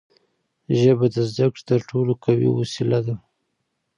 ژبه د زدهکړې تر ټولو قوي وسیله ده.